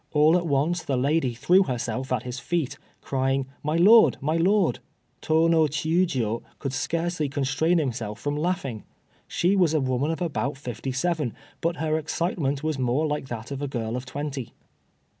All at once the lady threw herself at his feet, crying, "My lord! my lord!" Tô no Chiûjiô could scarcely constrain himself from laughing. She was a woman of about fifty seven, but her excitement was more like that of a girl of twenty.